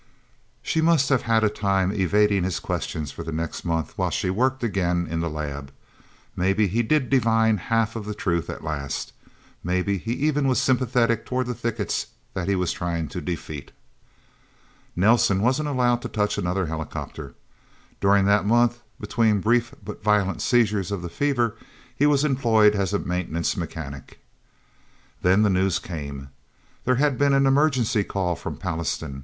She must have had a time evading his questions for the next month, while she worked, again, in the lab. Maybe he did divine half of the truth, at last. Maybe he even was sympathetic toward the thickets that he was trying to defeat. Nelsen wasn't allowed to touch another helicopter. During that month, between brief but violent seizures of the fever, he was employed as a maintenance mechanic. Then the news came. There had been an emergency call from Pallastown.